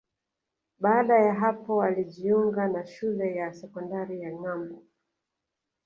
Baada ya hapo alijiunga na Shule ya Sekondari ya Ngambo